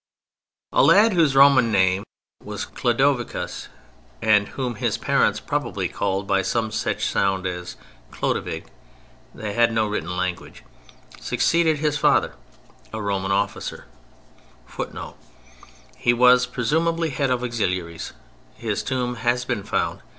A lad whose Roman name was Clodovicus, and whom his parents probably called by some such sound as Clodovig (they had no written language), succeeded his father, a Roman officer, [Footnote: He was presumably head of auxiliaries. His tomb has been found.